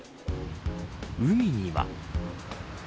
海には。